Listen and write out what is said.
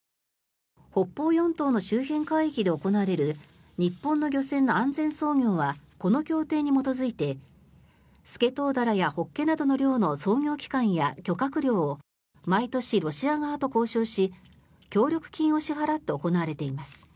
北方四島の周辺海域で行われる日本の漁船の安全操業はこの協定に基づいてスケトウダラやホッケなどの漁の操業期間や漁獲量を毎年、ロシア側と交渉し協力金を支払って行われています。